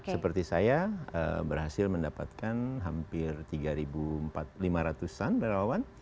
seperti saya berhasil mendapatkan hampir tiga lima ratus an relawan